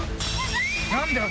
・何だよ